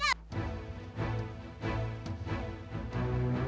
aku akan membebaskan kamu